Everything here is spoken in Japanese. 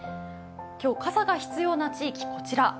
今日傘が必要な地域こちら。